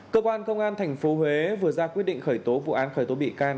cơ quan công an tp huế vừa ra quyết định khởi tố vụ án khởi tố bị can